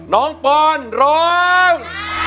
น้องปอนด์ร้อง